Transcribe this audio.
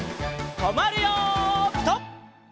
とまるよピタ！